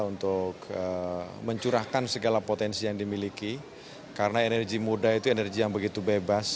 untuk mencurahkan segala potensi yang dimiliki karena energi muda itu energi yang begitu bebas